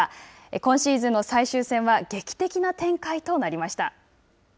今シーズンの最終戦は劇的な展開となりました。